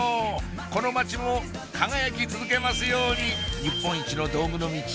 この街も輝き続けますように日本一の道具のミチ